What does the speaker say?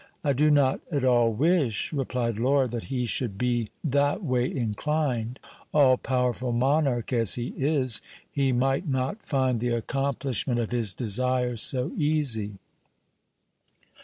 I do not at all wish, replied Laura, that he should be that way inclined ; all powerful monarch as he is, he might not find the accomplishment of his desires so easy.